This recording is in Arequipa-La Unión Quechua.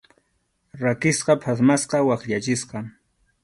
Rakisqa, phatmasqa, wakyachisqa.